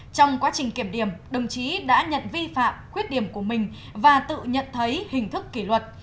trong quá trình kiểm điểm đồng chí đã nhận vi phạm khuyết điểm của mình và tự nhận thấy hình thức kỷ luật